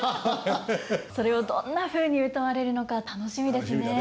それをどんなふうにうたわれるのか楽しみですね。